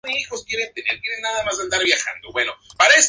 Destroy All Humans!